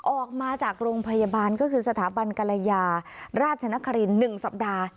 ออกมาจากโรงพยาบาลก็คือสถาบันกรยาราชนคริน๑สัปดาห์